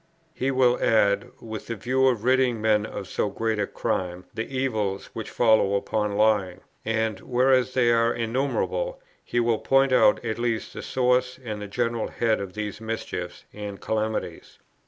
He will add, with the view of ridding men of so great a crime, the evils which follow upon lying; and, whereas they are innumerable, he will point out [at least] the sources and the general heads of these mischiefs and calamities, viz.